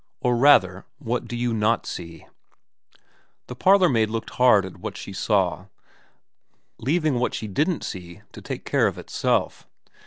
' Or, rather, what do you not see ?' The parlourmaid looked hard at what she saw, leaving what she didn't see to take care of itself.